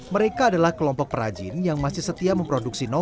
mereka adalah kelompok perajin yang masih setia memproduksi